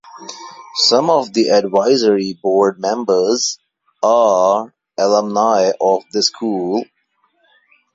Some of the Advisory Board members are alumni of the School.